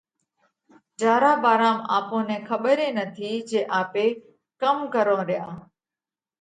جيا را ڀارام آپون نئہ کٻر ئي نٿِي جي آپي ڪم ڪرونه ريا؟